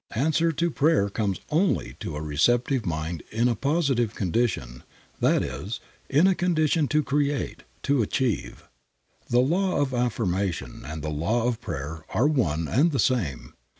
Answer to prayer comes only to a receptive mind in a positive condition, that is, in a condition to create, to achieve. The law of affirmation and the law of prayer are one and the same.